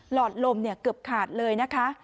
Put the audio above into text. อดลมเกือบขาดเลยนะคะ